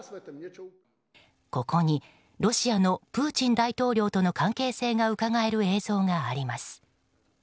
ここに、ロシアのプーチン大統領との関係性がうかがえる映像があります。